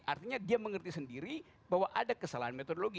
artinya dia mengerti sendiri bahwa ada kesalahan metodologi